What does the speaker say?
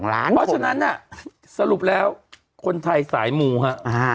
เพราะฉะนั้นน่ะสรุปแล้วคนไทยสายมูฮะ